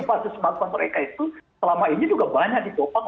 pasus bangkuan mereka itu selama ini juga banyak ditopang